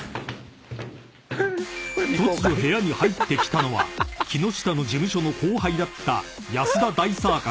［突如部屋に入ってきたのは木下の事務所の後輩だった］